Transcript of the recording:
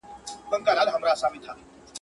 الا وه که بلا وه د لالي د سر قضا وه.